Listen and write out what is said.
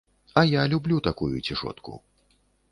А я люблю такую цішотку.